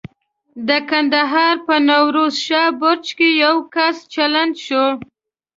د کندهار په نوروز شاه برج کې یو کس چلنج شو.